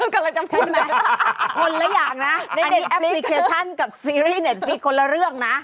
กำลังจะใช้ไหมคนละอย่างนะในแอปพลิเคชันกับซีรีส์เน็ตมีคนละเรื่องนะ